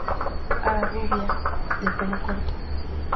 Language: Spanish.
Ha rubia, de pelo corto.